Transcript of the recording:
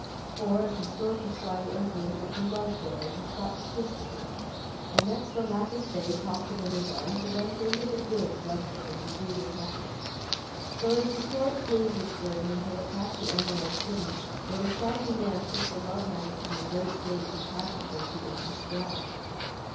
For, as the Stork was flying Earthward, It met The Love Fairy, Who stopped to kiss the babe; And next The Laughing FayTossed it in his arms. And then Glinda the GoodBlessed it and decreed it happiness. So as the Stork Flew with its burdenUntil it passed the Emerald City, Where the Shaggy Man tookThe Love Magnet from the Great GatesAnd passed it against the infant's brow.